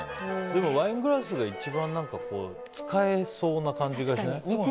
でも、ワイングラスが一番使えそうな感じがしない？